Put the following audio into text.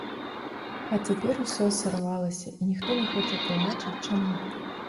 А цяпер усё сарвалася, і ніхто не хоча тлумачыць, чаму.